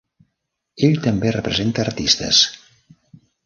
Ell també representa a artistes.